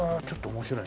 面白い。